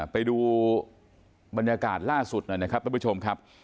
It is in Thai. ไปดูบรรยากาศล่าสุดหน่อยนะครับท่านผู้ชมครับ